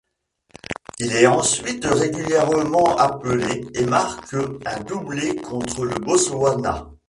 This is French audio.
Il est ensuite régulièrement appelé et marque un doublé contre le Botswana.